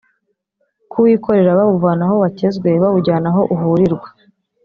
kuwikorera bawuvana aho wakezwe bawujyana aho uhurirwa